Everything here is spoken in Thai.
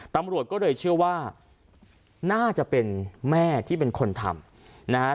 ตำรวจก็เลยเชื่อว่าน่าจะเป็นแม่ที่เป็นคนทำนะฮะ